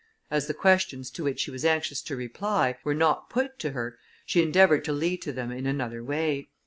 As the questions to which she was anxious to reply, were not put to her, she endeavoured to lead to them in another way.